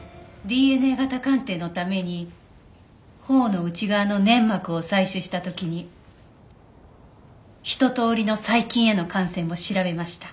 ＤＮＡ型鑑定のために頬の内側の粘膜を採取した時にひととおりの細菌への感染も調べました。